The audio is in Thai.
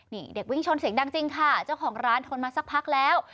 นี่เด็กวิ่งชนเสียงดังจริงค่ะเจ้าของร้านทนมาสักพักแล้ว